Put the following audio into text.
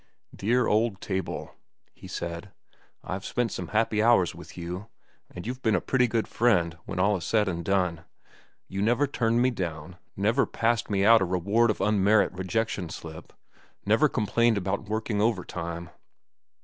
"Dear old table," he said, "I've spent some happy hours with you, and you've been a pretty good friend when all is said and done. You never turned me down, never passed me out a reward of unmerit rejection slip, never complained about working overtime."